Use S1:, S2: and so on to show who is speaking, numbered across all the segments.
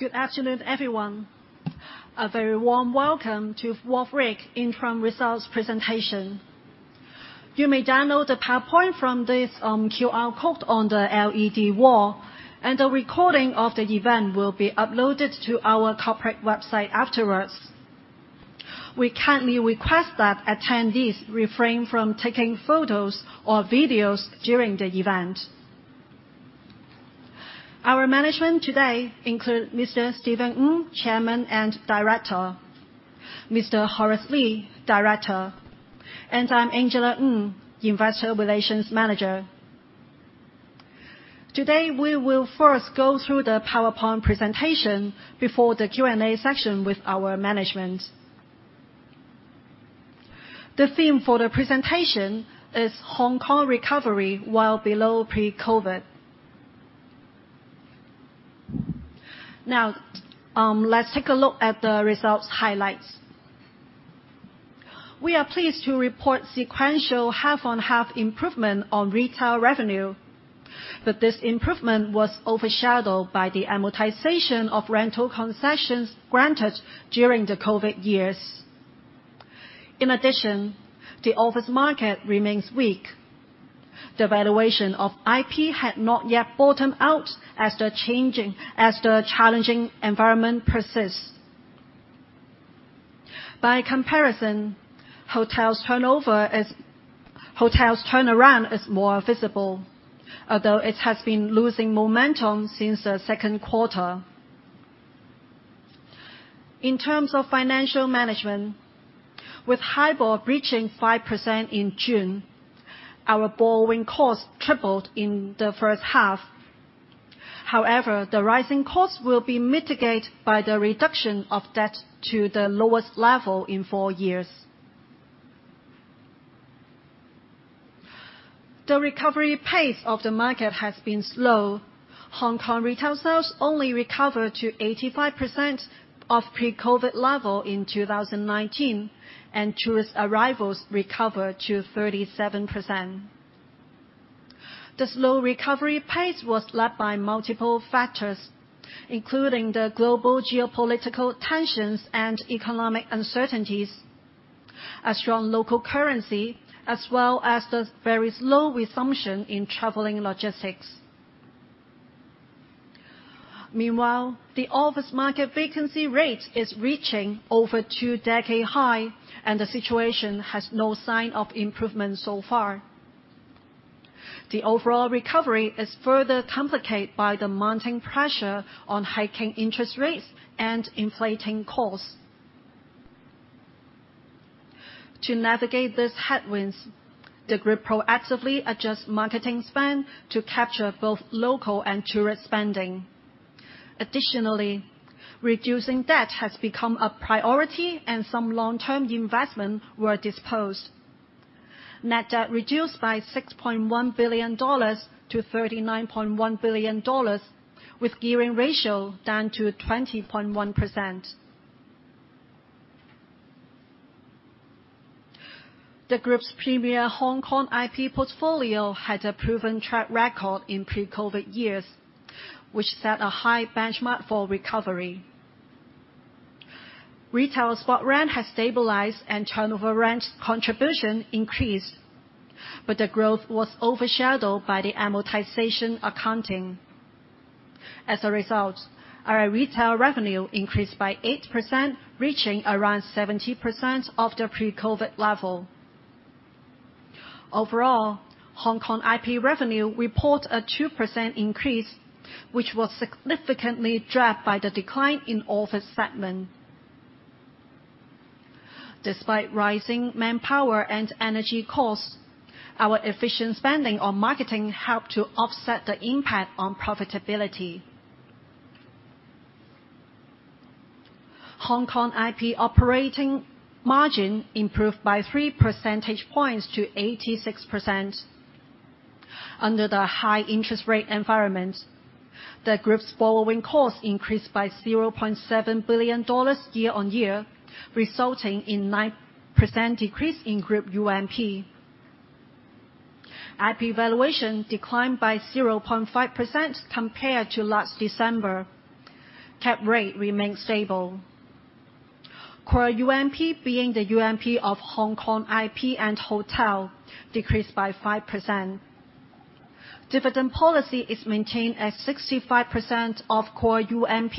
S1: Good afternoon, everyone. A very warm welcome to Wharf REIC interim results presentation. You may download the PowerPoint from this QR code on the LED wall, and a recording of the event will be uploaded to our corporate website afterwards. We kindly request that attendees refrain from taking photos or videos during the event. Our management today include Mr. Stephen Ng, Chairman and Director, Mr. Horace Lee, Director, and I'm Angela Ng, Investor Relations Manager. Today, we will first go through the PowerPoint presentation before the Q&A session with our management. The theme for the presentation is Hong Kong Recovery While Below Pre-COVID. Let's take a look at the results highlights. We are pleased to report sequential half-on-half improvement on retail revenue, but this improvement was overshadowed by the amortization of rental concessions granted during the COVID years. In addition, the office market remains weak. The valuation of IP had not yet bottomed out as the challenging environment persists. By comparison, hotels turnaround is more visible, although it has been losing momentum since the second quarter. In terms of financial management, with HIBOR reaching 5% in June, our borrowing cost tripled in the first half. The rising costs will be mitigated by the reduction of debt to the lowest level in four years. The recovery pace of the market has been slow. Hong Kong retail sales only recovered to 85% of pre-COVID level in 2019, and tourist arrivals recovered to 37%. The slow recovery pace was led by multiple factors, including the global geopolitical tensions and economic uncertainties, a strong local currency, as well as the very slow resumption in traveling logistics. Meanwhile, the office market vacancy rate is reaching over 2-decade high. The situation has no sign of improvement so far. The overall recovery is further complicated by the mounting pressure on hiking interest rates and inflating costs. To navigate these headwinds, the group proactively adjust marketing spend to capture both local and tourist spending. Additionally, reducing debt has become a priority and some long-term investment were disposed. Net debt reduced by HKD 6.1 billion to HKD 39.1 billion, with gearing ratio down to 20.1%. The group's premier Hong Kong IP portfolio had a proven track record in pre-COVID years, which set a high benchmark for recovery. Retail spot rent has stabilized and turnover rent contribution increased. The growth was overshadowed by the amortization accounting. As a result, our retail revenue increased by 8%, reaching around 70% of the pre-COVID level. Overall, Hong Kong IP revenue report a 2% increase, which was significantly dragged by the decline in office segment. Despite rising manpower and energy costs, our efficient spending on marketing helped to offset the impact on profitability. Hong Kong IP operating margin improved by three percentage points to 86%. Under the high interest rate environment, the group's borrowing costs increased by 0.7 billion dollars year-on-year, resulting in 9% decrease in group UMP. IP valuation declined by 0.5% compared to last December. Cap rate remains stable. Core UMP, being the UMP of Hong Kong IP and hotel, decreased by 5%. Dividend policy is maintained at 65% of core UMP,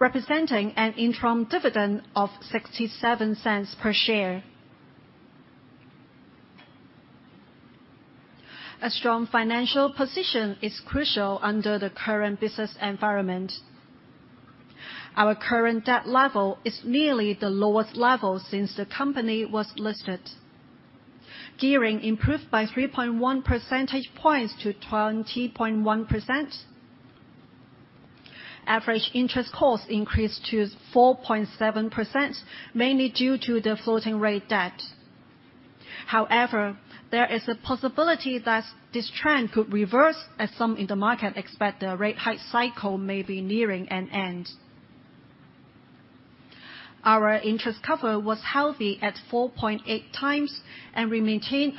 S1: representing an interim dividend of 0.67 per share. A strong financial position is crucial under the current business environment. Our current debt level is nearly the lowest level since the company was listed. Gearing improved by 3.1 percentage points to 20.1%. Average interest costs increased to 4.7%, mainly due to the floating rate debt. However, there is a possibility that this trend could reverse, as some in the market expect the rate hike cycle may be nearing an end. Our interest cover was healthy at 4.8x, and we maintained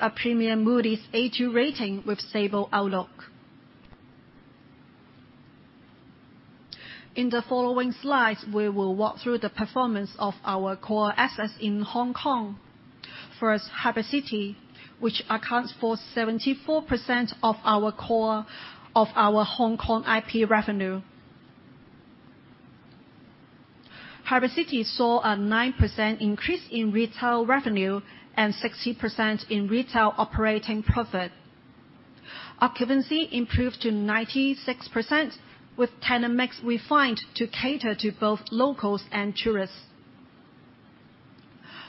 S1: a premium Moody's A2 rating with stable outlook. In the following slides, we will walk through the performance of our core assets in Hong Kong. First, Harbour City, which accounts for 74% of our core, of our Hong Kong IP revenue. Harbour City saw a 9% increase in retail revenue and 60% in retail operating profit. Occupancy improved to 96%, with tenant mix refined to cater to both locals and tourists.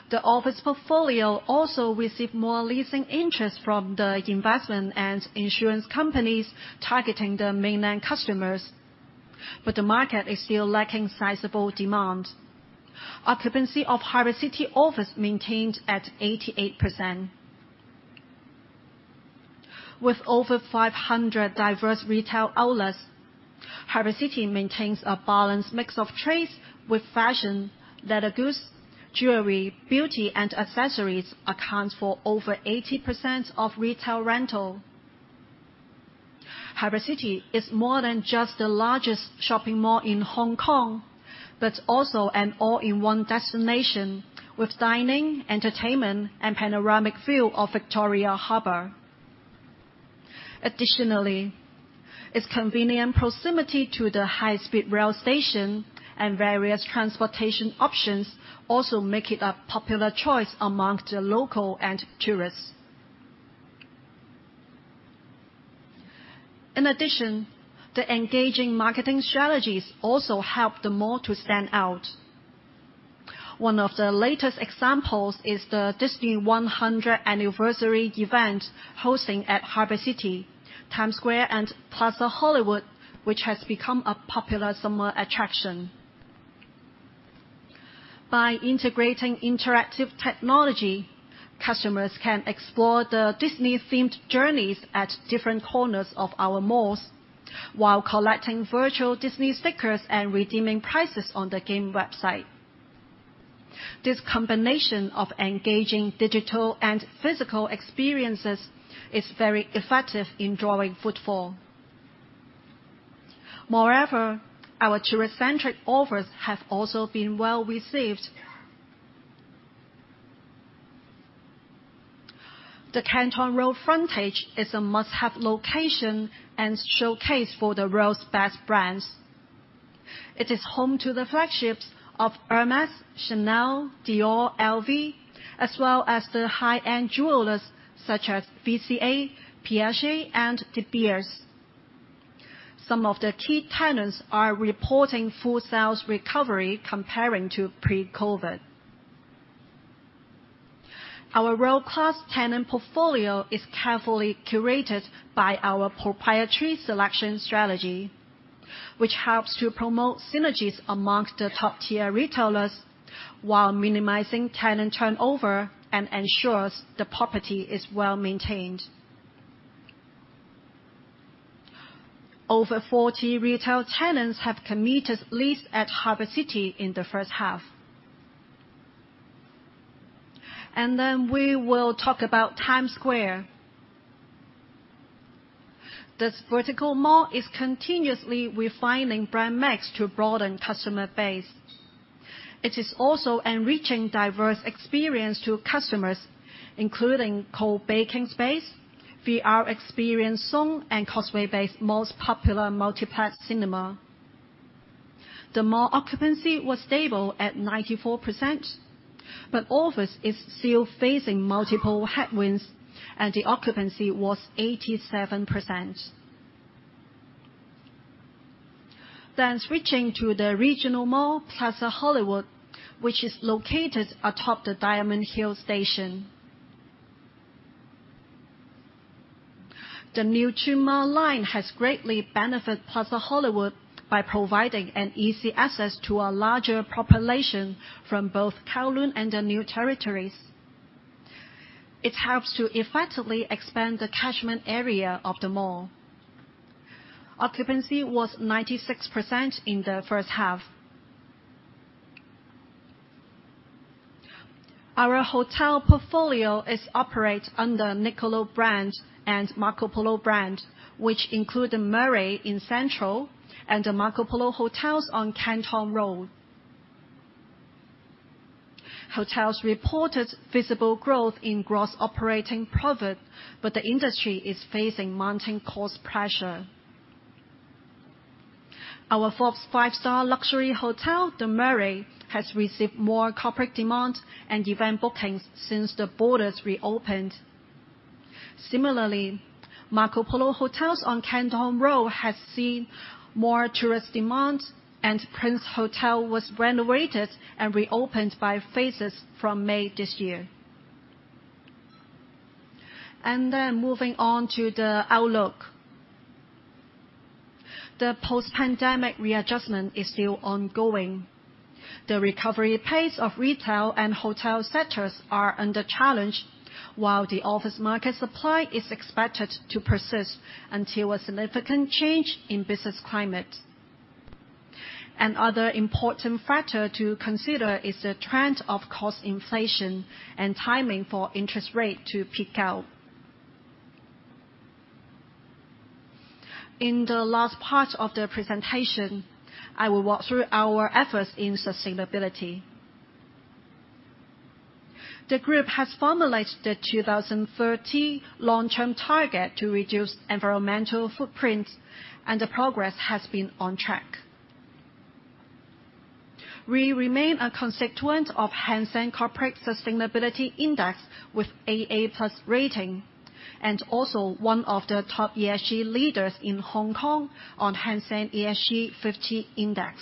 S1: The office portfolio also received more leasing interest from the investment and insurance companies targeting the mainland customers, but the market is still lacking sizable demand. Occupancy of Harbour City office maintained at 88%. With over 500 diverse retail outlets, Harbour City maintains a balanced mix of trades, with fashion, leather goods, jewelry, beauty, and accessories accounts for over 80% of retail rental. Harbour City is more than just the largest shopping mall in Hong Kong, but also an all-in-one destination, with dining, entertainment, and panoramic view of Victoria Harbour. Additionally, its convenient proximity to the high-speed rail station and various transportation options also make it a popular choice amongst the local and tourists. In addition, the engaging marketing strategies also help the mall to stand out. One of the latest examples is the Disney100 100th anniversary event hosting at Harbour City, Times Square and Plaza Hollywood, which has become a popular summer attraction. By integrating interactive technology, customers can explore the Disney-themed journeys at different corners of our malls, while collecting virtual Disney stickers and redeeming prizes on the game website. This combination of engaging digital and physical experiences is very effective in drawing footfall. Moreover, our tourist-centric offers have also been well-received. The Canton Road frontage is a must-have location and showcase for the world's best brands. It is home to the flagships of Hermès, Chanel, Dior, LV, as well as the high-end jewelers, such as VCA, Piaget, and De Beers. Some of the key tenants are reporting full sales recovery comparing to pre-COVID. Our world-class tenant portfolio is carefully curated by our proprietary selection strategy, which helps to promote synergies amongst the top-tier retailers, while minimizing tenant turnover and ensures the property is well-maintained. Over 40 retail tenants have committed lease at Harbour City in the first half. Then we will talk about Times Square. This vertical mall is continuously refining brand mix to broaden customer base. It is also enriching diverse experience to customers, including co-baking space, VR experience zone, and Causeway Bay's most popular multiplex cinema. The mall occupancy was stable at 94%, but office is still facing multiple headwinds, and the occupancy was 87%. Switching to the regional mall, Plaza Hollywood, which is located atop the Diamond Hill station. The new Tuen Ma Line has greatly benefit Plaza Hollywood by providing an easy access to a larger population from both Kowloon and the New Territories. It helps to effectively expand the catchment area of the mall. Occupancy was 96% in the first half. Our hotel portfolio is operated under Niccolo brand and Marco Polo brand, which include The Murray in Central and the Marco Polo Hotels on Canton Road. Hotels reported visible growth in gross operating profit. The industry is facing mounting cost pressure. Our Forbes Five-Star luxury hotel, The Murray, has received more corporate demand and event bookings since the borders reopened. Similarly, Marco Polo Hotels on Canton Road has seen more tourist demand, and Prince Hotel was renovated and reopened by phases from May this year. Moving on to the outlook. The post-pandemic readjustment is still ongoing. The recovery pace of retail and hotel sectors are under challenge, while the office market supply is expected to persist until a significant change in business climate. Another important factor to consider is the trend of cost inflation and timing for interest rate to peak out. In the last part of the presentation, I will walk through our efforts in sustainability. The group has formulated the 2030 long-term target to reduce environmental footprint, and the progress has been on track. We remain a constituent of Hang Seng Corporate Sustainability Index, with AA+ rating, and also one of the top ESG leaders in Hong Kong on Hang Seng ESG 50 Index.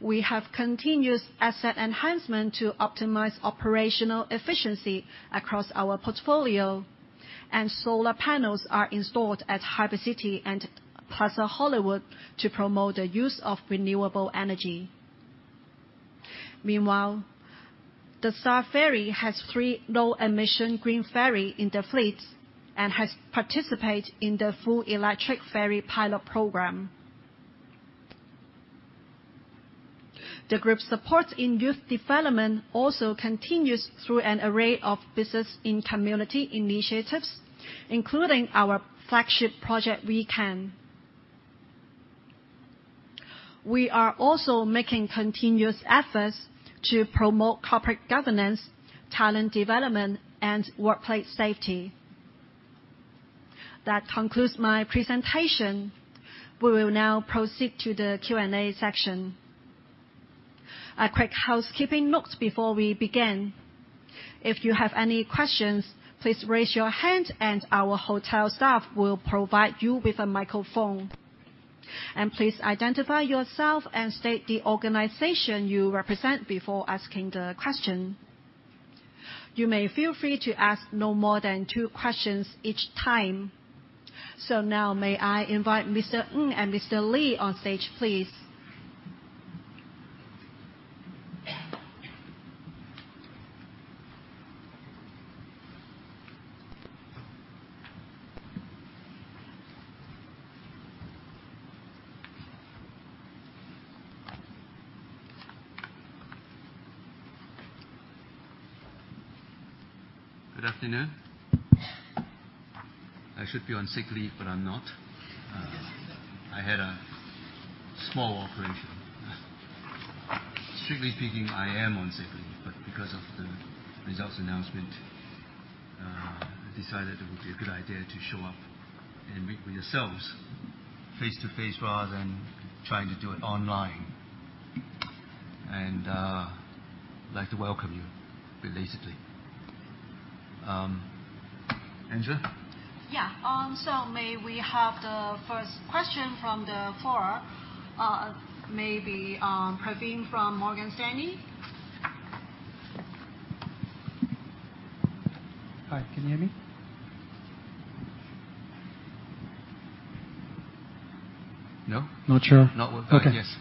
S1: We have continuous asset enhancement to optimize operational efficiency across our portfolio, and solar panels are installed at Harbour City and Plaza Hollywood to promote the use of renewable energy. Meanwhile, The Star Ferry has 3 low-emission green ferry in the fleet and has participate in the full electric ferry pilot program. The group's support in youth development also continues through an array of business in community initiatives, including our flagship project, WeCan. We are also making continuous efforts to promote corporate governance, talent development and workplace safety. That concludes my presentation. We will now proceed to the Q&A section. A quick housekeeping note before we begin. If you have any questions, please raise your hand and our hotel staff will provide you with a microphone. Please identify yourself and state the organization you represent before asking the question. You may feel free to ask no more than 2 questions each time. Now may I invite Mr. Ng and Mr. Lee on stage, please?
S2: Good afternoon. I should be on sick leave, but I'm not. I had a small operation. Strictly speaking, I am on sick leave, but because of the results announcement, I decided it would be a good idea to show up and meet with yourselves face-to-face, rather than trying to do it online. I'd like to welcome you, relatively. Angela?
S1: Yeah. May we have the first question from the floor? Maybe Praveen from Morgan Stanley.
S3: Hi, can you hear me?
S2: No.
S3: Not sure.
S2: Not well.
S3: Okay.
S2: Yes.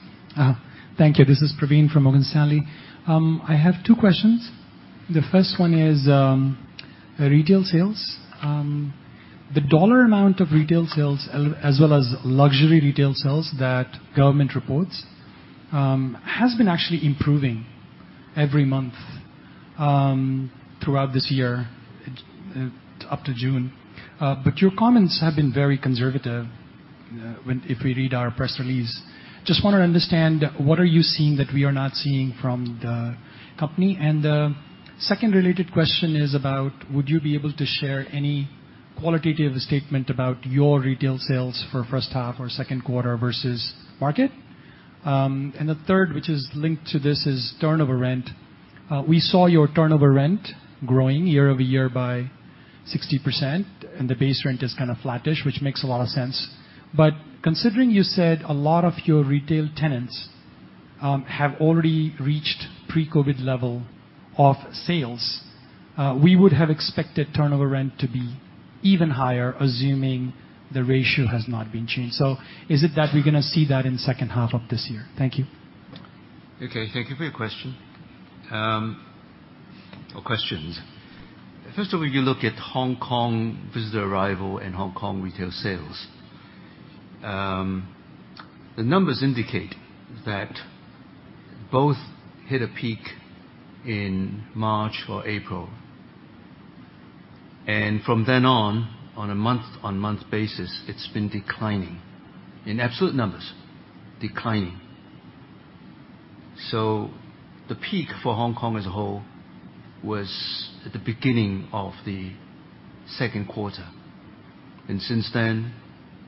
S3: Thank you. This is Praveen from Morgan Stanley. I have two questions. The first one is retail sales. The dollar amount of retail sales, as well as luxury retail sales that government reports, has been actually improving every month throughout this year up to June. Your comments have been very conservative when, if we read our press release. Just want to understand, what are you seeing that we are not seeing from the company? The second related question is about, would you be able to share any qualitative statement about your retail sales for first half or second quarter versus market? The third, which is linked to this, is turnover rent. We saw your turnover rent growing year-over-year by 60%, and the base rent is kind of flattish, which makes a lot of sense. Considering you said a lot of your retail tenants have already reached pre-COVID level of sales, we would have expected turnover rent to be even higher, assuming the ratio has not been changed. Is it that we're gonna see that in the second half of this year? Thank you.
S2: Okay, thank you for your question, or questions. First of all, you look at Hong Kong visitor arrival and Hong Kong retail sales. The numbers indicate that both hit a peak in March or April, and from then on, on a month-on-month basis, it's been declining. In absolute numbers, declining. The peak for Hong Kong as a whole was at the beginning of the second quarter, and since then,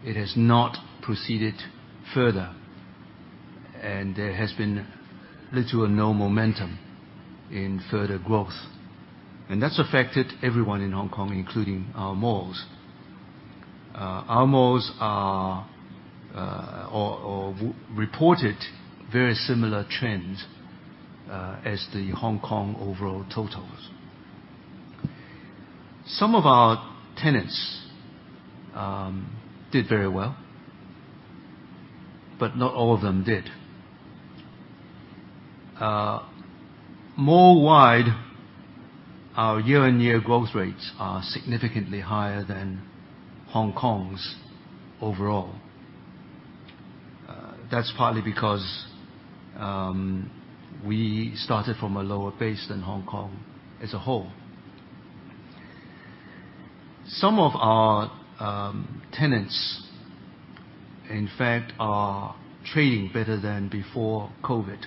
S2: it has not proceeded further, and there has been little or no momentum in further growth, and that's affected everyone in Hong Kong, including our malls. Our malls are reported very similar trends as the Hong Kong overall totals.... Some of our tenants did very well, but not all of them did. More wide, our year-on-year growth rates are significantly higher than Hong Kong's overall. That's partly because we started from a lower base than Hong Kong as a whole. Some of our tenants, in fact, are trading better than before COVID.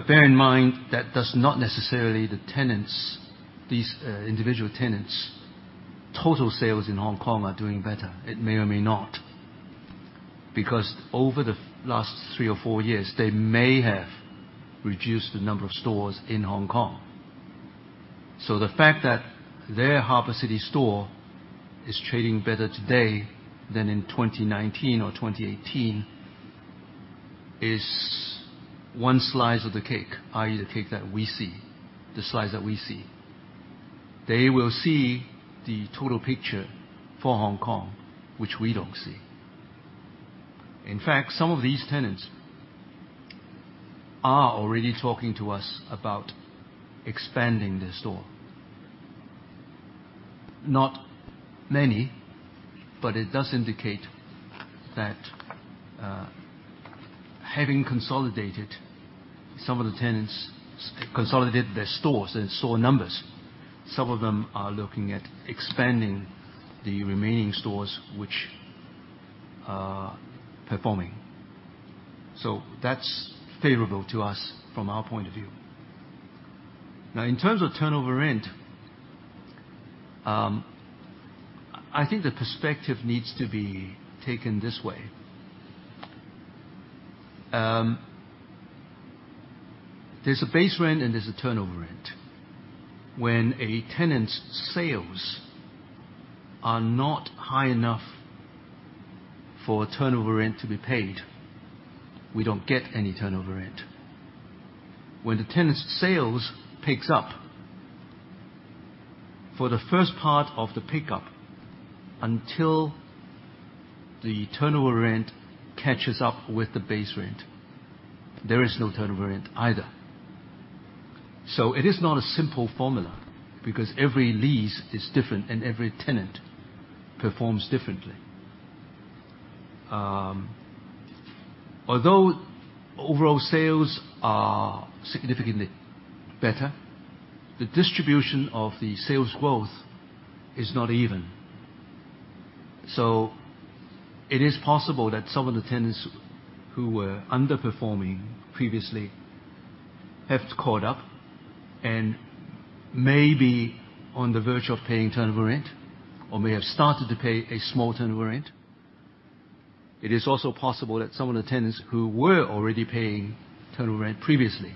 S2: Bear in mind, that does not necessarily the tenants, these, individual tenants, total sales in Hong Kong are doing better. It may or may not, because over the last 3 or 4 years, they may have reduced the number of stores in Hong Kong. The fact that their Harbour City store is trading better today than in 2019 or 2018, is one slice of the cake, i.e., the cake that we see, the slice that we see. They will see the total picture for Hong Kong, which we don't see. In fact, some of these tenants are already talking to us about expanding their store. Not many, it does indicate that, having consolidated, some of the tenants consolidated their stores and store numbers, some of them are looking at expanding the remaining stores which are performing. That's favorable to us from our point of view. Now, in terms of turnover rent, I think the perspective needs to be taken this way. There's a base rent and there's a turnover rent. When a tenant's sales are not high enough for a turnover rent to be paid, we don't get any turnover rent. When the tenant's sales picks up, for the first part of the pickup, until the turnover rent catches up with the base rent, there is no turnover rent either. It is not a simple formula, because every lease is different and every tenant performs differently. Although overall sales are significantly better, the distribution of the sales growth is not even. It is possible that some of the tenants who were underperforming previously have caught up and may be on the verge of paying turnover rent, or may have started to pay a small turnover rent. It is also possible that some of the tenants who were already paying turnover rent previously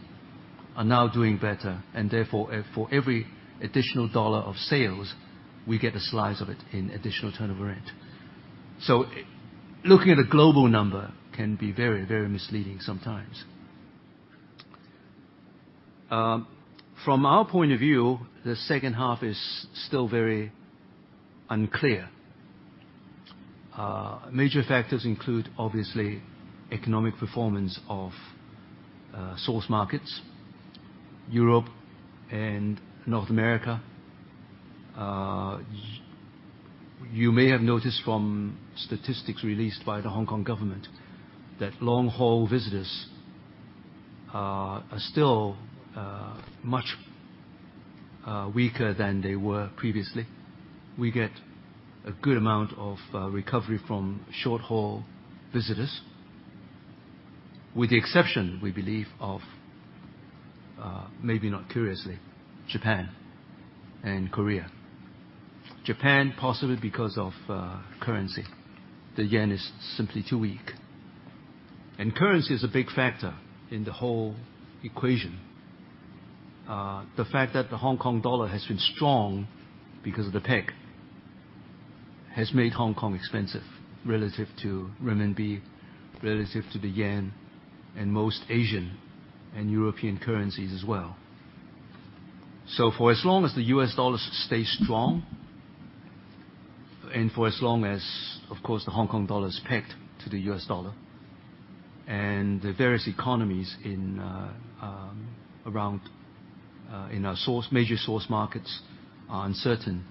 S2: are now doing better, and therefore, for every additional dollar of sales, we get a slice of it in additional turnover rent. Looking at a global number can be very, very misleading sometimes. From our point of view, the second half is still very unclear. Major factors include, obviously, economic performance of source markets, Europe and North America. You may have noticed from statistics released by the Hong Kong government that long-haul visitors are, are still, much, weaker than they were previously. We get a good amount of recovery from short-haul visitors, with the exception, we believe, of maybe not curiously, Japan and Korea. Japan, possibly because of currency. The yen is simply too weak. Currency is a big factor in the whole equation. The fact that the Hong Kong dollar has been strong because of the peg, has made Hong Kong expensive relative to renminbi, relative to the yen, and most Asian and European currencies as well. For as long as the US dollar stays strong, and for as long as, of course, the Hong Kong dollar is pegged to the US dollar, and the various economies in, around, in our source-- major source markets are uncertain,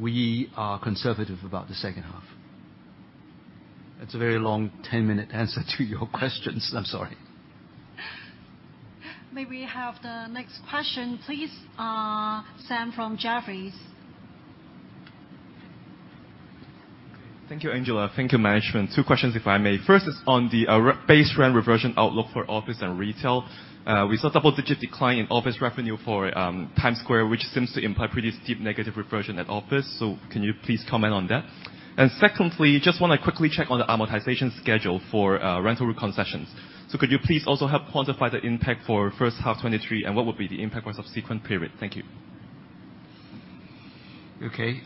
S2: we are conservative about the second half. That's a very long 10-minute answer to your questions. I'm sorry.
S1: May we have the next question, please? Sam from Jefferies.
S4: Thank you, Angela. Thank you, management. Two questions, if I may. First is on the base rent reversion outlook for office and retail. We saw double-digit decline in office revenue for Times Square, which seems to imply pretty steep negative reversion at office. Can you please comment on that? Secondly, just want to quickly check on the amortization schedule for rental concessions. Could you please also help quantify the impact for first half 2023, and what would be the impact for subsequent period? Thank you.
S2: Okay,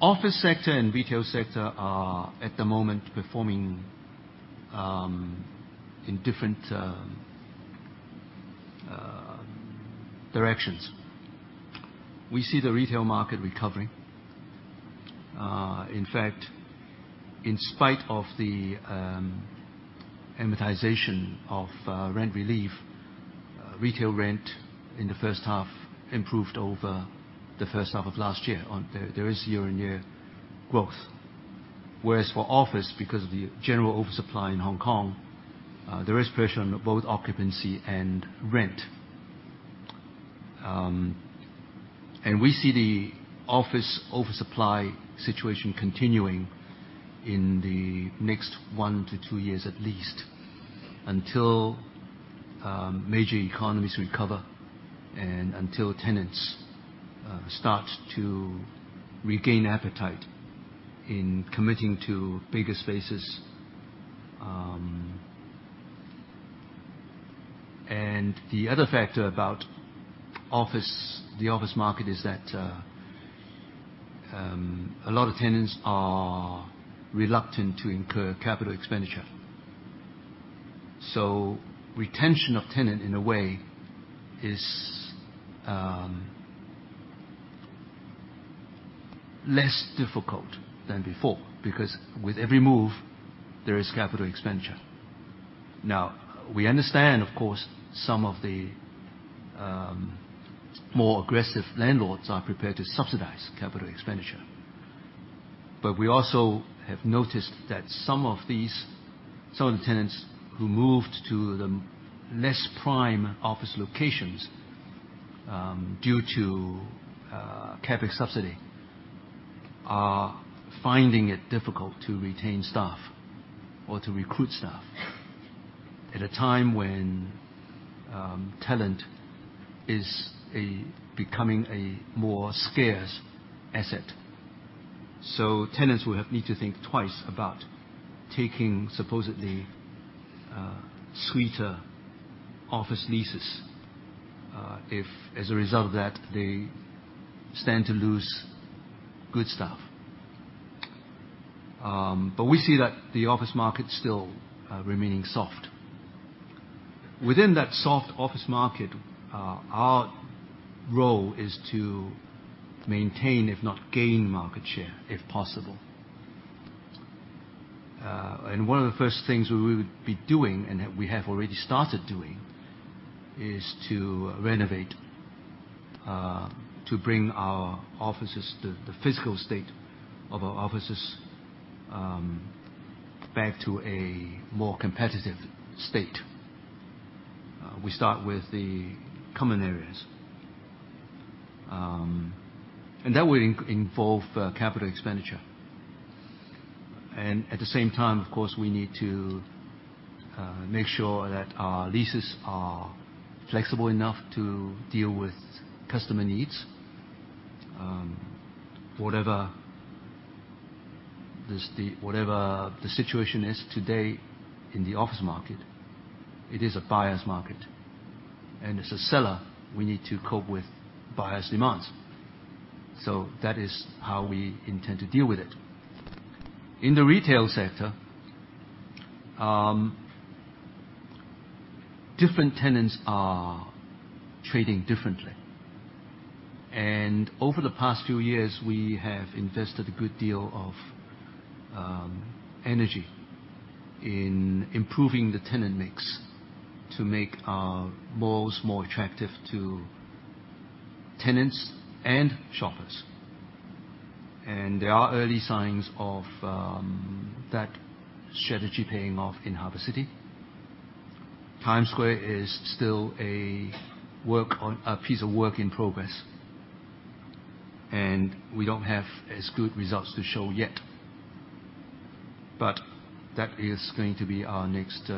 S2: office sector and retail sector are, at the moment, performing in different directions. We see the retail market recovering. In fact, in spite of the amortization of rent relief, retail rent in the first half improved over the first half of last year. There, there is year-on-year growth. Whereas for office, because of the general oversupply in Hong Kong, there is pressure on both occupancy and rent. We see the office oversupply situation continuing in the next 1 to 2 years, at least, until major economies recover and until tenants start to regain appetite in committing to bigger spaces. The other factor about office, the office market is that a lot of tenants are reluctant to incur capital expenditure. Retention of tenant, in a way, is less difficult than before, because with every move, there is capital expenditure. We understand, of course, some of the more aggressive landlords are prepared to subsidize capital expenditure. We also have noticed that some of the tenants who moved to the less prime office locations, due to CapEx subsidy, are finding it difficult to retain staff or to recruit staff at a time when talent is becoming a more scarce asset. Tenants will have need to think twice about taking supposedly sweeter office leases, if as a result of that, they stand to lose good staff. We see that the office market still remaining soft. Within that soft office market, our role is to maintain, if not gain, market share, if possible. One of the first things we would be doing, and that we have already started doing, is to renovate, to bring our offices, the physical state of our offices, back to a more competitive state. We start with the common areas. That will involve capital expenditure. At the same time, of course, we need to make sure that our leases are flexible enough to deal with customer needs. Whatever the situation is today in the office market, it is a buyer's market, and as a seller, we need to cope with buyer's demands. That is how we intend to deal with it. In the retail sector, different tenants are trading differently. Over the past few years, we have invested a good deal of energy in improving the tenant mix to make our malls more attractive to tenants and shoppers. There are early signs of that strategy paying off in Harbour City. Times Square is still a piece of work in progress, and we don't have as good results to show yet, but that is going to be our next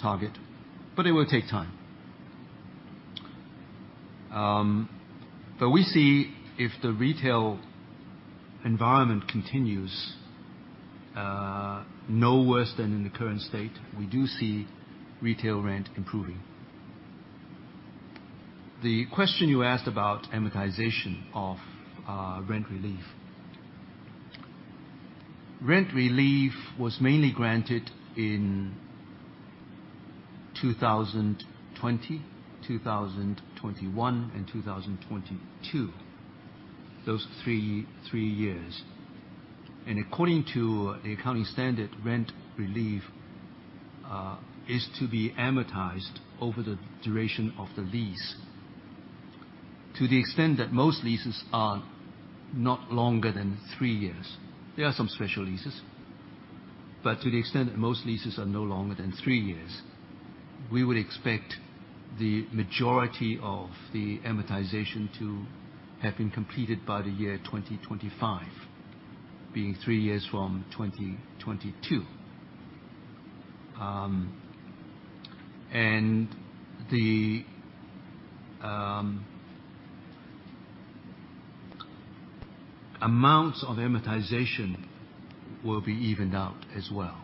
S2: target, but it will take time. We see if the retail environment continues no worse than in the current state, we do see retail rent improving. The question you asked about amortization of rent relief. Rent relief was mainly granted in 2020, 2021, and 2022. Those three years. According to the accounting standard, rent relief is to be amortized over the duration of the lease. To the extent that most leases are not longer than 3 years. There are some special leases, but to the extent that most leases are no longer than 3 years, we would expect the majority of the amortization to have been completed by the year 2025, being 3 years from 2022. The amounts of amortization will be evened out as well.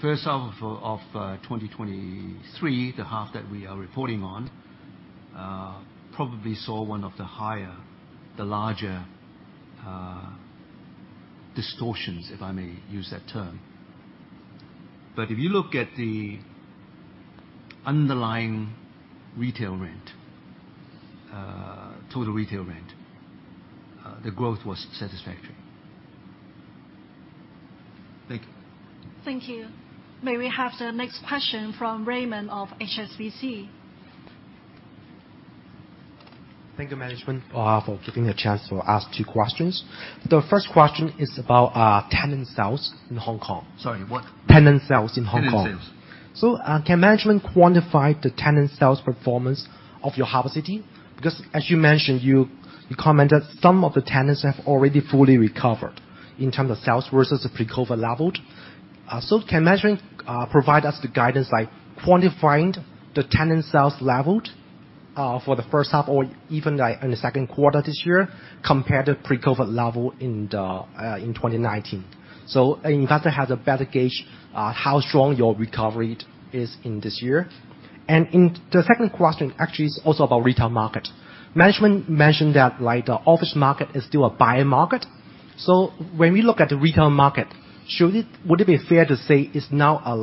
S2: First half of 2023, the half that we are reporting on, probably saw one of the higher, the larger, distortions, if I may use that term. If you look at the underlying retail rent, total retail rent, the growth was satisfactory. Thank you.
S1: Thank you. May we have the next question from Raymond of HSBC?
S5: Thank you, management, for giving a chance to ask 2 questions. The first question is about tenant sales in Hong Kong.
S2: Sorry, what?
S5: Tenant sales in Hong Kong.
S2: Tenant sales.
S5: Can management quantify the tenant sales performance of your Harbour City? Because as you mentioned, you, you commented some of the tenants have already fully recovered in terms of sales versus the pre-COVID level. Can management provide us the guidance by quantifying the tenant sales level for the first half or even, like, in the second quarter this year, compared to pre-COVID level in 2019? An investor has a better gauge on how strong your recovery is in this year. In the second question, actually is also about retail market. Management mentioned that, like, the office market is still a buyer market. When we look at the retail market, would it be fair to say it's now a,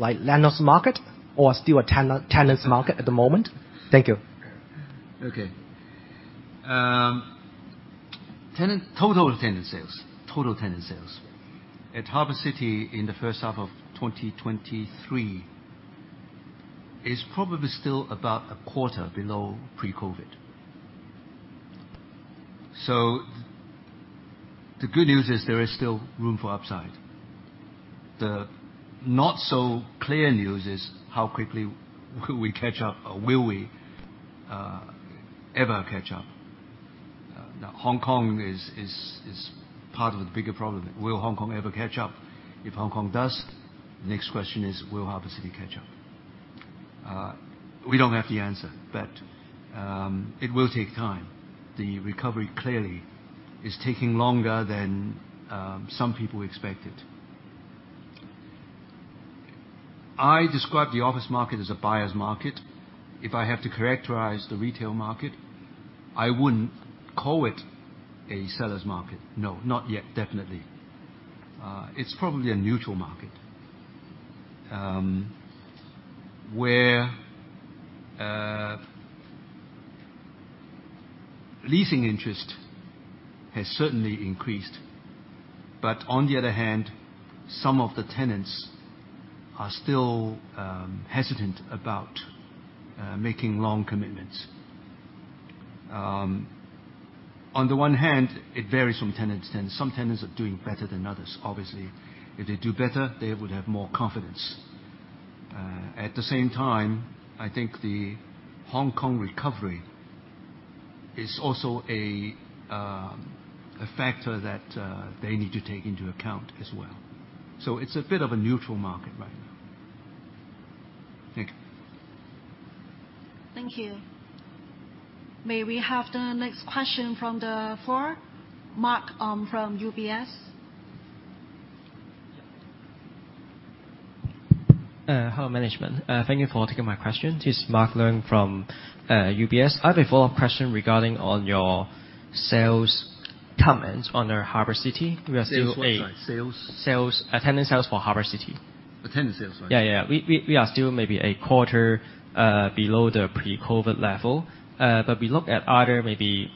S5: like, landlord's market or still a tenant's market at the moment? Thank you.
S2: Okay. tenant... Total tenant sales. Total tenant sales at Harbour City in the first half of 2023 is probably still about a quarter below pre-COVID. The good news is there is still room for upside. The not so clear news is, how quickly will we catch up or will we ever catch up? Hong Kong is, is, is part of the bigger problem. Will Hong Kong ever catch up? If Hong Kong does, the next question is, will Harbour City catch up? We don't have the answer, it will take time. The recovery clearly is taking longer than some people expected. I describe the office market as a buyer's market. If I have to characterize the retail market, I wouldn't call it a seller's market. No, not yet, definitely. It's probably a neutral market, where leasing interest has certainly increased, but on the other hand, some of the tenants are still hesitant about making long commitments. On the one hand, it varies from tenant to tenant. Some tenants are doing better than others. Obviously, if they do better, they would have more confidence. At the same time, I think the Hong Kong recovery is also a factor that they need to take into account as well. It's a bit of a neutral market right now. Thank you.
S1: Thank you. May we have the next question from the floor? Mark, from UBS.
S6: Hello, management. Thank you for taking my question. This is Mark Leung from UBS. I have a follow-up question regarding on your sales comments on the Harbour City. We are still.
S2: Sales, what? Sales-
S6: Sales, attendant sales for Harbour City.
S2: Attendant sales, right.
S6: Yeah, yeah. We, we, we are still maybe a quarter below the pre-COVID level. We look at other, maybe,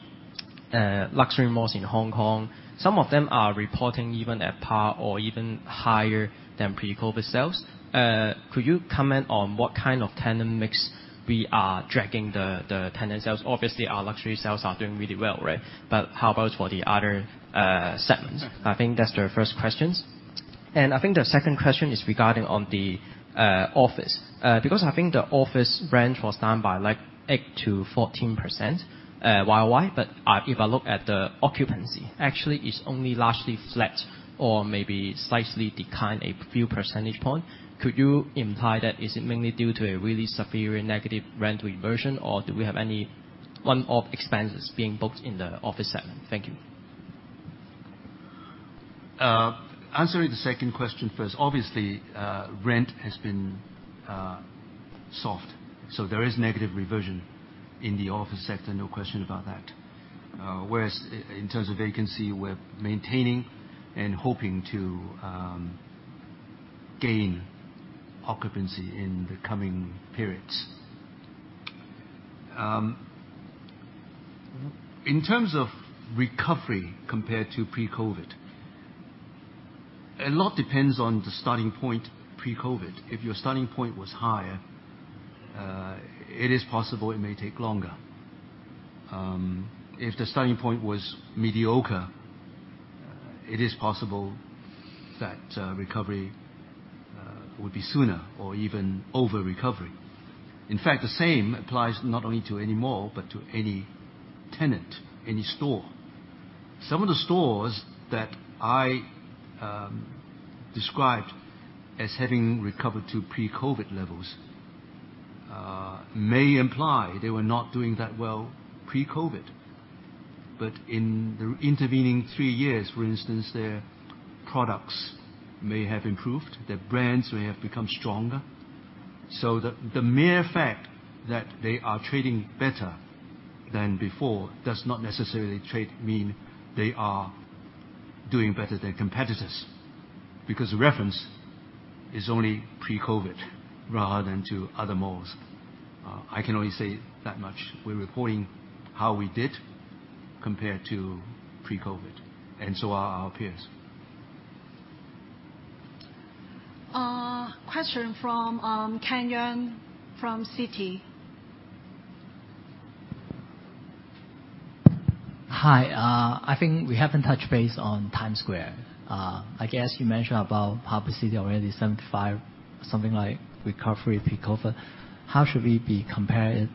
S6: luxury malls in Hong Kong. Some of them are reporting even at par or even higher than pre-COVID sales. Could you comment on what kind of tenant mix we are tracking the, the tenant sales? Obviously, our luxury sales are doing really well, right? How about for the other segments? I think that's the first questions. I think the second question is regarding on the office. Because I think the office rent was down by like 8%-14% Y-o-Y. If I look at the occupancy, actually, it's only largely flat or maybe slightly declined a few percentage point. Could you imply that is it mainly due to a really superior negative rent reversion, or do we have any one-off expenses being booked in the office segment? Thank you.
S2: Answer the second question first. Obviously, rent has been soft, so there is negative reversion in the office sector, no question about that. Whereas in terms of vacancy, we're maintaining and hoping to gain occupancy in the coming periods. In terms of recovery, compared to pre-COVID, a lot depends on the starting point pre-COVID. If your starting point was higher, it is possible it may take longer. If the starting point was mediocre, it is possible that recovery would be sooner or even overrecovery. The same applies not only to any mall, but to any tenant, any store. Some of the stores that I described as having recovered to pre-COVID levels-... may imply they were not doing that well pre-COVID. In the intervening 3 years, for instance, their products may have improved, their brands may have become stronger. The mere fact that they are trading better than before, does not necessarily mean they are doing better than competitors, because the reference is only pre-COVID rather than to other malls. I can only say that much. We're reporting how we did compared to pre-COVID, and so are our peers.
S1: Question from Ken Yung from Citi.
S7: Hi. I think we haven't touched base on Times Square. I guess you mentioned about Harbour City already, 75, something like recovery pre-COVID. How should we be comparing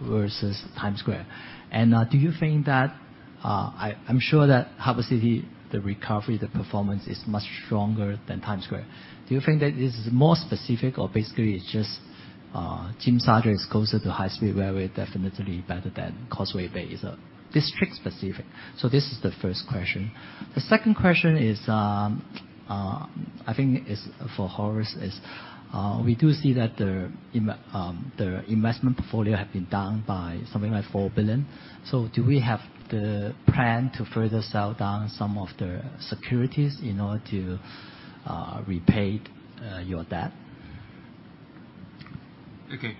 S7: versus Times Square? Do you think that I'm sure that Harbour City, the recovery, the performance is much stronger than Times Square. Do you think that this is more specific or basically it's just Tsim Sha Tsui is closer to high speed, where we're definitely better than Causeway Bay is district-specific? This is the first question. The second question is, I think is for Horace, is we do see that the investment portfolio have been down by something like 4 billion. Do we have the plan to further sell down some of the securities in order to repay your debt?
S2: Okay.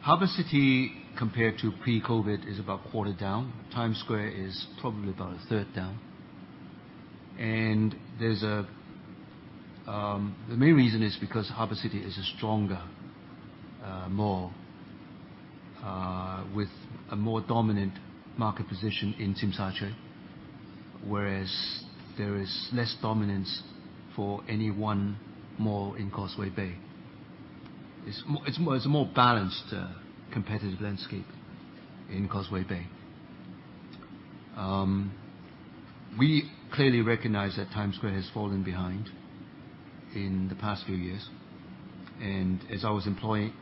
S2: Harbour City, compared to pre-COVID, is about a quarter down. Times Square is probably about a third down. The main reason is because Harbour City is a stronger mall with a more dominant market position in Tsim Sha Tsui, whereas there is less dominance for any one mall in Causeway Bay. It's a more balanced competitive landscape in Causeway Bay. We clearly recognize that Times Square has fallen behind in the past few years, and as I was implying,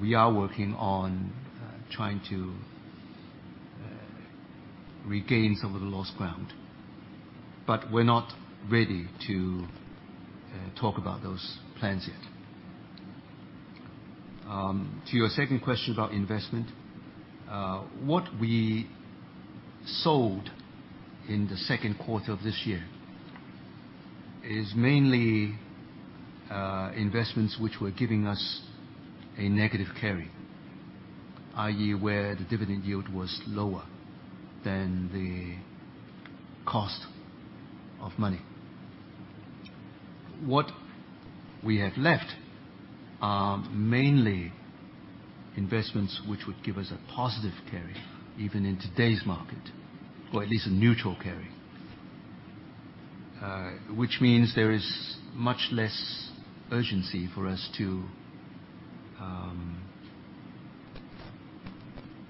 S2: we are working on trying to regain some of the lost ground. We're not ready to talk about those plans yet. To your second question about investment, what we sold in the second quarter of this year is mainly investments which were giving us a negative carry, i.e., where the dividend yield was lower than the cost of money. What we have left are mainly investments which would give us a positive carry, even in today's market, or at least a neutral carry. Which means there is much less urgency for us to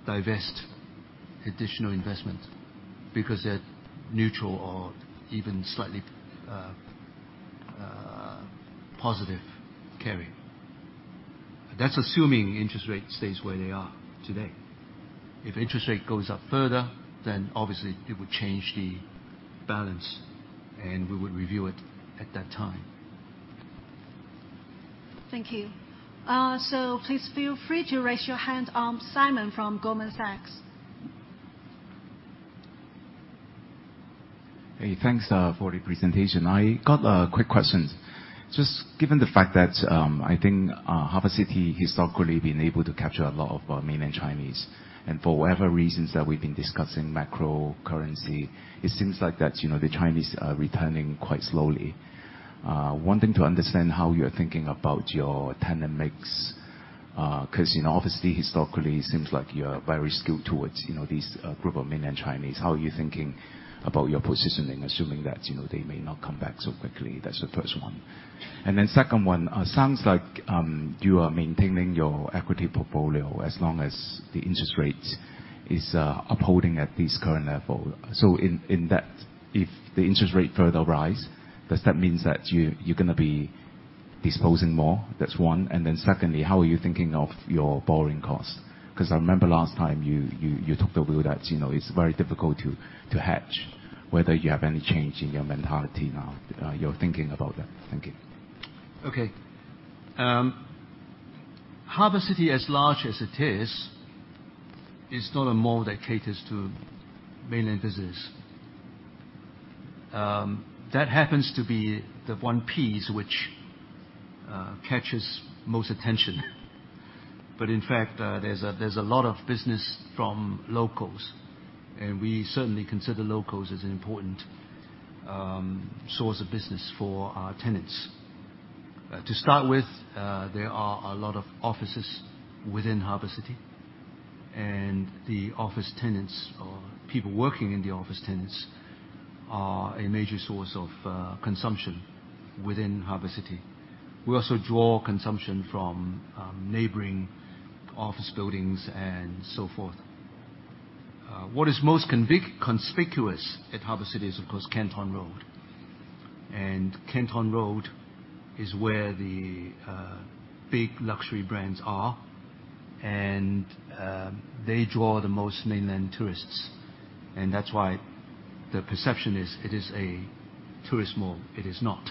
S2: divest additional investment, because they're neutral or even slightly positive carry. That's assuming interest rate stays where they are today. If interest rate goes up further, then obviously it would change the balance, and we would review it at that time.
S1: Thank you. Please feel free to raise your hand. Simon from Goldman Sachs.
S8: Hey, thanks for the presentation. I got a quick question. Just given the fact that, I think Harbour City historically been able to capture a lot of mainland Chinese, and for whatever reasons that we've been discussing, macro, currency, it seems like that, you know, the Chinese are returning quite slowly. Wanting to understand how you're thinking about your tenant mix, 'cause, you know, obviously, historically, it seems like you're very skewed towards, you know, this group of mainland Chinese. How are you thinking about your positioning, assuming that, you know, they may not come back so quickly? That's the first one. Then second one, sounds like you are maintaining your equity portfolio as long as the interest rate is upholding at this current level. in, in that, if the interest rate further rise, does that mean that you, you, you're gonna be disposing more? That's one. Then secondly, how are you thinking of your borrowing costs? 'Cause I remember last time, you, you, you took the view that, you know, it's very difficult to, to hedge, whether you have any change in your mentality now, your thinking about that. Thank you.
S2: Okay. Harbour City, as large as it is, is not a mall that caters to mainland business. That happens to be the one piece which catches most attention. In fact, there's a, there's a lot of business from locals, and we certainly consider locals as an important source of business for our tenants. To start with, there are a lot of offices within Harbour City, and the office tenants or people working in the office tenants are a major source of consumption within Harbour City. We also draw consumption from neighboring office buildings and so forth. What is most conspicuous at Harbour City is, of course, Canton Road. Canton Road is where the big luxury brands are, and they draw the most mainland tourists. That's why the perception is, it is a tourist mall. It is not.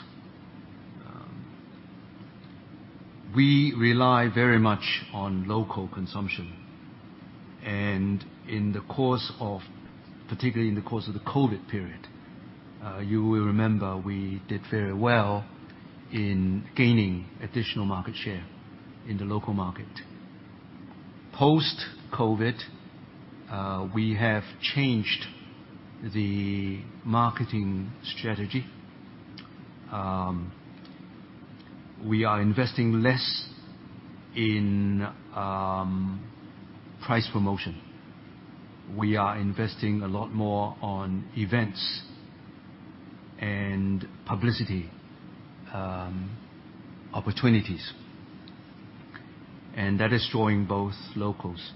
S2: We rely very much on local consumption. In the course of, particularly in the course of the COVID period, you will remember we did very well in gaining additional market share in the local market. Post-COVID, we have changed the marketing strategy. We are investing less in price promotion. We are investing a lot more on events and publicity opportunities, and that is drawing both locals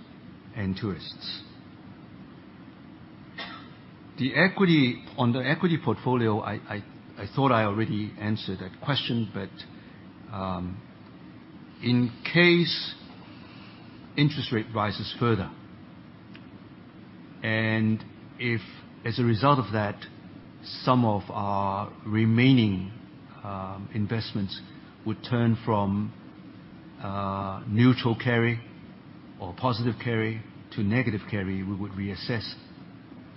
S2: and tourists. On the equity portfolio, I, I, I thought I already answered that question, but in case interest rate rises further, and if, as a result of that, some of our remaining investments would turn from neutral carry or positive carry to negative carry, we would reassess the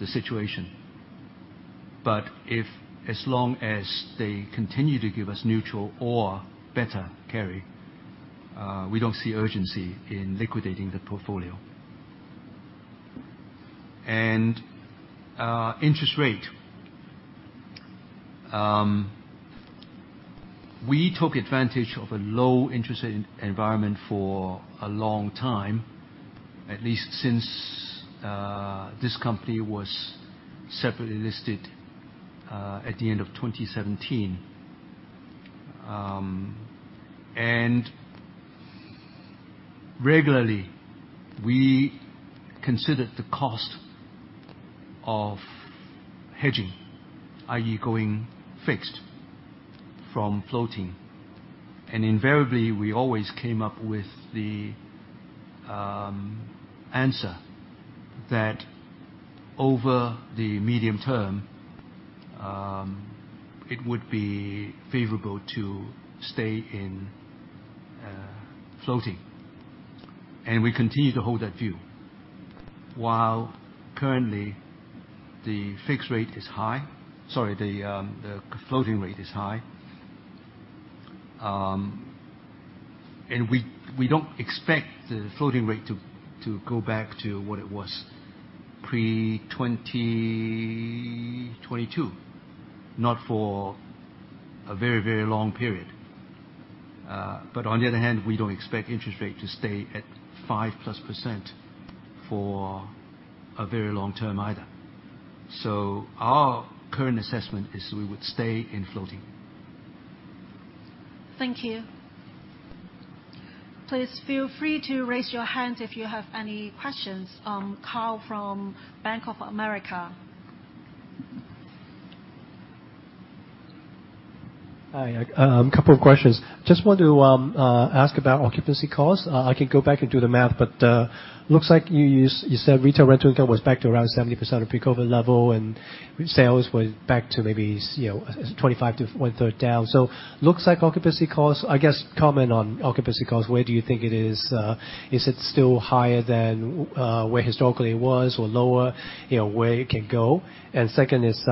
S2: situation. If as long as they continue to give us neutral or better carry, we don't see urgency in liquidating the portfolio. Interest rate. We took advantage of a low interest environment for a long time, at least since this company was separately listed at the end of 2017. Regularly, we considered the cost of hedging, i.e., going fixed from floating. Invariably, we always came up with the answer that over the medium term, it would be favorable to stay in floating, and we continue to hold that view. While currently, the fixed rate is high. Sorry, the floating rate is high. We, we don't expect the floating rate to go back to what it was pre-2022, not for a very, very long period. On the other hand, we don't expect interest rate to stay at 5+% for a very long term either. Our current assessment is we would stay in floating.
S1: Thank you. Please feel free to raise your hand if you have any questions. Carl from Bank of America.
S9: Hi, a couple of questions. Just want to ask about occupancy costs. I can go back and do the math, but looks like you use-- you said retail rental income was back to around 70% of pre-COVID level, and sales were back to maybe, you know, 25% to 1/3 down. Looks like occupancy costs... I guess, comment on occupancy costs. Where do you think it is, is it still higher than where historically it was, or lower? You know, where it can go. Second is,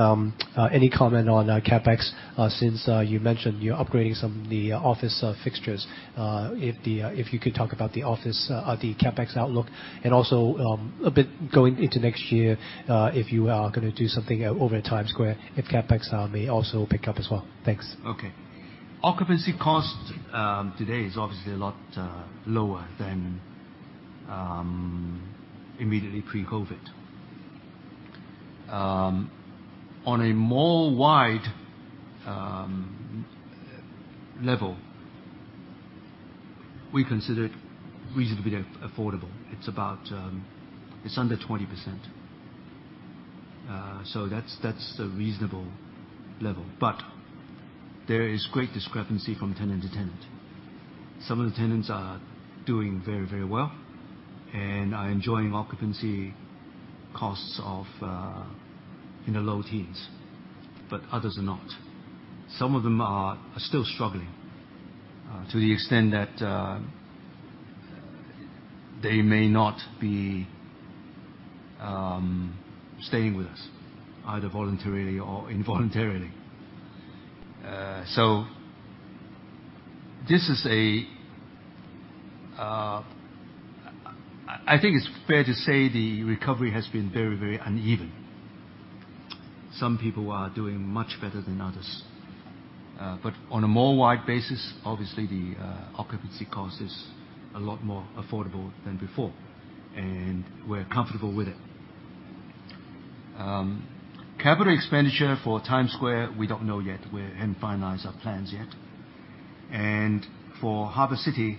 S9: any comment on CapEx, since you mentioned you're upgrading some of the office fixtures. If the, if you could talk about the office, the CapEx outlook. Also, a bit going into next year, if you are gonna do something over at Times Square, if CapEx, may also pick up as well. Thanks.
S2: Okay. Occupancy cost today is obviously a lot lower than immediately pre-COVID. On a more wide level, we consider it reasonably affordable. It's about, it's under 20%. That's, that's a reasonable level, but there is great discrepancy from tenant to tenant. Some of the tenants are doing very, very well and are enjoying occupancy costs of in the low teens, but others are not. Some of them are still struggling to the extent that they may not be staying with us, either voluntarily or involuntarily. This is, I think it's fair to say the recovery has been very, very uneven. Some people are doing much better than others. On a more wide basis, obviously, the occupancy cost is a lot more affordable than before, and we're comfortable with it. Capital expenditure for Times Square, we don't know yet. We haven't finalized our plans yet. For Harbour City,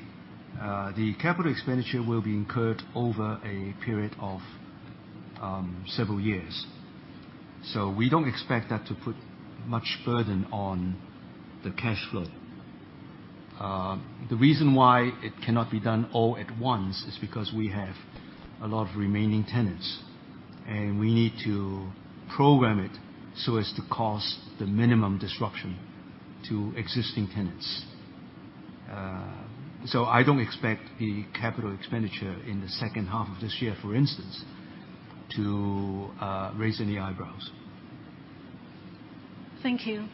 S2: the capital expenditure will be incurred over a period of several years. We don't expect that to put much burden on the cash flow. The reason why it cannot be done all at once is because we have a lot of remaining tenants, and we need to program it so as to cause the minimum disruption to existing tenants. I don't expect the capital expenditure in the second half of this year, for instance, to raise any eyebrows.
S1: Thank you.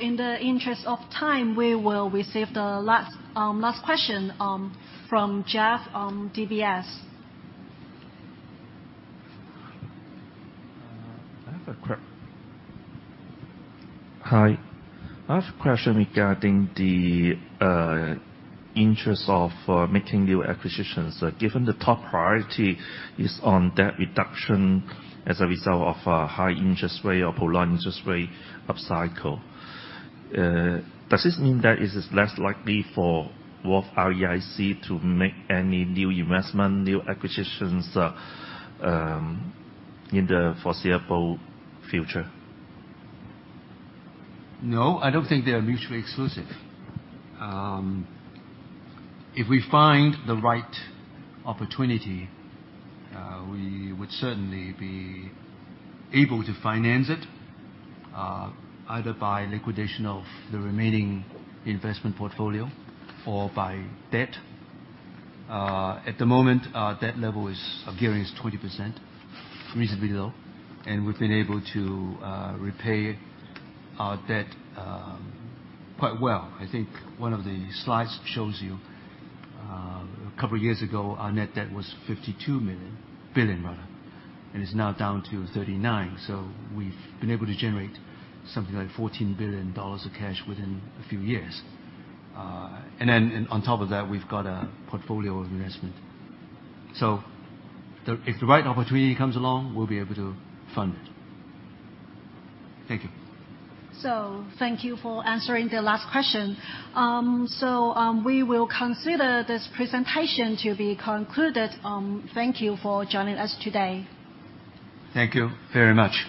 S1: In the interest of time, we will receive the last, last question, from Jeff on DBS.
S10: Hi. I have a question regarding the interest of making new acquisitions. Given the top priority is on debt reduction as a result of a high interest rate or low interest rate upcycle. Does this mean that it is less likely for Wharf REIC to make any new investment, new acquisitions, in the foreseeable future?
S2: No, I don't think they are mutually exclusive. If we find the right opportunity, we would certainly be able to finance it, either by liquidation of the remaining investment portfolio or by debt. At the moment, our debt level is-- gearing is 20%, reasonably low, and we've been able to repay our debt quite well. I think one of the slides shows you a couple of years ago, our net debt was 52 billion, and it's now down to 39 billion. We've been able to generate something like 14 billion dollars of cash within a few years. Then on top of that, we've got a portfolio of investment. If the right opportunity comes along, we'll be able to fund it. Thank you.
S1: Thank you for answering the last question. We will consider this presentation to be concluded. Thank you for joining us today.
S2: Thank you very much.